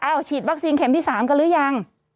ฉีดวัคซีนเข็มที่๓กันหรือยัง